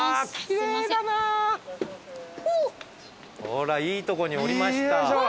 ほらいいとこに降りました。